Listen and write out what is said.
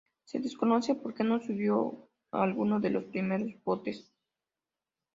Se desconoce por que no subió a alguno de los primeros botes.